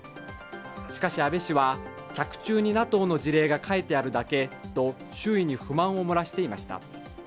しかし、安倍氏は脚注にＮＡＴＯの事例が書いてあるだけと周囲に不満を漏らしていました。